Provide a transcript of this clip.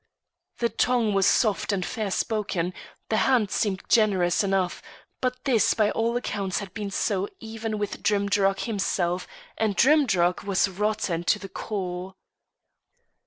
The tongue was soft and fair spoken, the hand seemed generous enough, but this by all accounts had been so even with Drimdarroch himself, and Drimdarroch was rotten to the core.